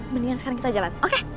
mendingan sekarang kita jalan